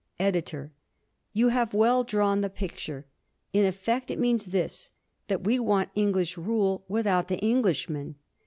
EDITOR: You have well drawn the picture. In effect it means this: that we want English rule without the Englishman.